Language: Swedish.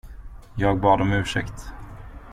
Jag bad om ursäkt.